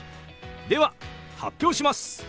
では発表します！